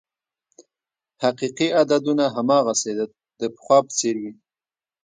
حقیقي عددونه هماغسې د پخوا په څېر وې.